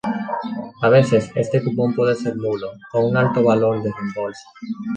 A veces este cupón puede ser nulo con un alto valor de reembolso.